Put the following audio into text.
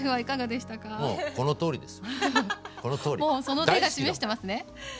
その手が示してますね。